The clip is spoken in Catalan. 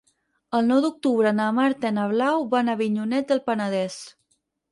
El nou d'octubre na Marta i na Blau van a Avinyonet del Penedès.